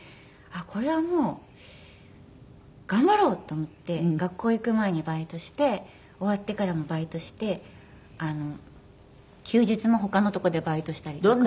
これはもう頑張ろうと思って学校行く前にバイトして終わってからもバイトして休日も他のとこでバイトしたりとか。